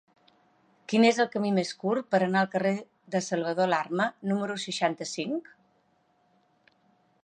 Quin és el camí més curt per anar al carrer de Salvador Alarma número seixanta-cinc?